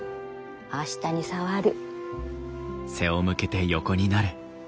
明日に障る。